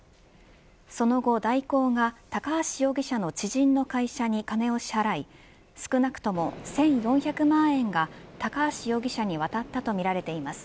その後、大広が高橋容疑者の知人の会社に金を支払い少なくとも１４００万円が高橋容疑者に渡ったとみられています。